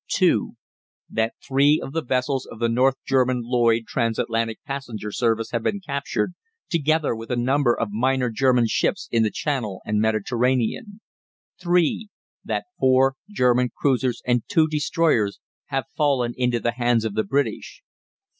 (2) That three of the vessels of the North German Lloyd Transatlantic passenger service have been captured, together with a number of minor German ships in the Channel and Mediterranean. (3) That four German cruisers and two destroyers have fallen into the hands of the British.